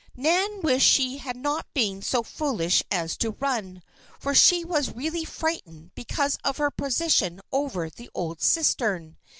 Nan wished she had not been so foolish as to run, for she was really frightened because of her position over the old cistern.